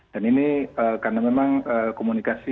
dan ini berdampak di kecamatan tehuru dan desa saunulu dan desa yaputi